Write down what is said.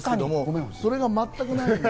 それが全くない。